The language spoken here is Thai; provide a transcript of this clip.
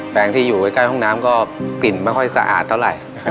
งที่อยู่ใกล้ห้องน้ำก็กลิ่นไม่ค่อยสะอาดเท่าไหร่นะครับ